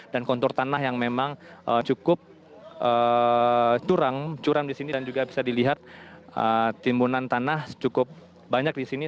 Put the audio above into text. dan kontur tanah yang memang cukup curam di sini dan juga bisa dilihat timbunan tanah cukup banyak di sini